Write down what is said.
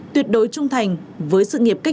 tuyệt đối trung thành với sự nghiệp kết mạng